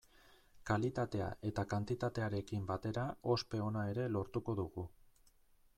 Kalitatea eta kantitatearekin batera ospe ona ere lortuko dugu.